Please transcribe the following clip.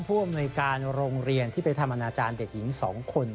ผู้อำนวยการโรงเรียนที่ไปทำอนาจารย์เด็กหญิง๒คน